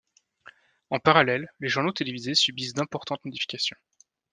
En parallèle, les journaux télévisés subissent d'importantes modifications.